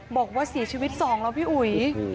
บอกว่าเสียชีวิต๒แล้วพี่อุ๋ย